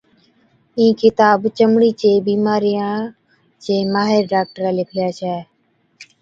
ها ڪِتاب چمڙِي چي بِيمارِيان چي ماهر ڊاڪٽرَي لِکلِي ڇَي۔